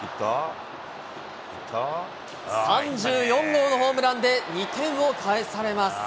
３４号のホームランで、２点を返されます。